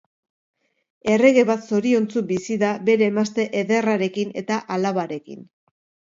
Errege bat zoriontsu bizi da bere emazte ederrarekin eta alabarekin.